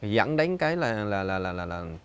vẫn đến cái là là là là là là là